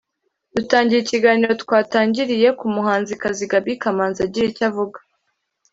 Dutangira ikiganiro twatangiriye k’umuhanzikazi Gaby Kamanzi agira icyo avuga